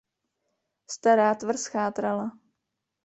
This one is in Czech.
Stará tvrz chátrala.